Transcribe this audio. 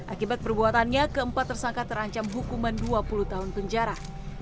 akibat perbuatannya keempat tersangka terancam hukuman dua puluh tahun penjara